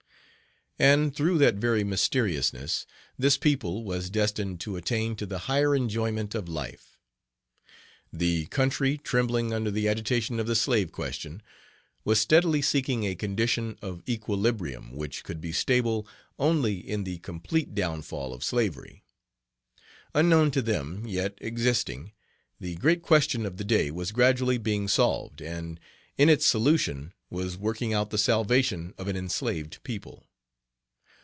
And through that very mysteriousness this people was destined to attain to the higher enjoyment of life. The country, trembling under the agitation of the slave question, was steadily seeking a condition of equilibrium which could be stable only in the complete downfall of slavery. Unknown to them, yet existing, the great question of the day was gradually being solved; and in its solution was working out the salvation of an enslaved people.